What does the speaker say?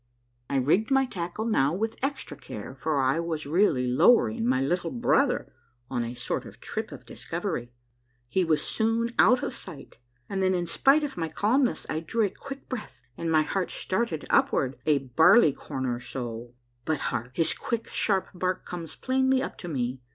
I rigged my tackle now with extra care, for I was really low ering my little brother on a sort of trip of discovery. He was soon out of sight, and then, in spite of my calmness, I drew a quick breath, and my heart started upward a barley corn or so. But hark ! his quick, sharp bark comes plainly up to me.